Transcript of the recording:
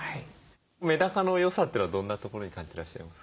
メダカの良さというのはどんなところに感じてらっしゃいます？